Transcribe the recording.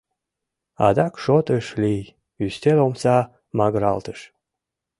Адак шот ыш лий: ӱстел омса магыралтыш.